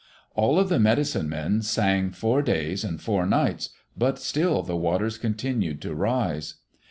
All of the medicine men sang four days and four nights, but still the waters continued to rise.